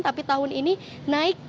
tapi tahun ini naik